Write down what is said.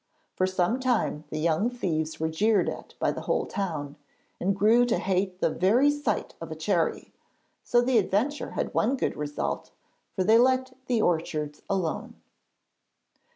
For some time the young thieves were jeered at by the whole town, and grew to hate the very sight of a cherry, so the adventure had one good result, for they let the orchards alone.